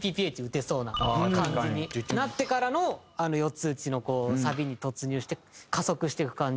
打てそうな感じになってからのあの４つ打ちのサビに突入して加速していく感じ。